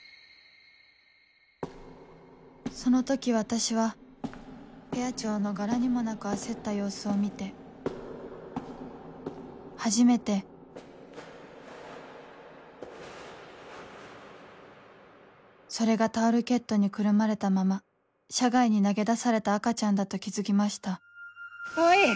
その時私はペア長の柄にもなく焦った様子を見て初めてそれがタオルケットにくるまれたまま車外に投げ出された赤ちゃんだと気付きました川合！